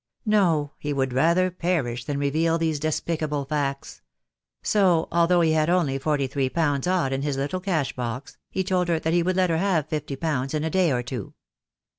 No, he would rather perish than reveal these despicable facts; so, although he had only forty three pounds odd in his little cash box, he told her that he would let her have fifty pounds in a day or two.